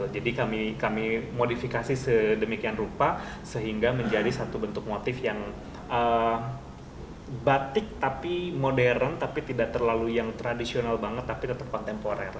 kami modifikasi sedemikian rupa sehingga menjadi satu bentuk motif yang batik tapi modern tapi tidak terlalu yang tradisional banget tapi tetap kontemporer